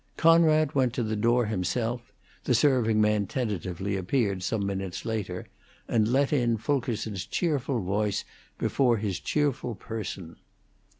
Conrad went to the door himself (the serving man tentatively, appeared some minutes later) and let in Fulkerson's cheerful voice before his cheerful person.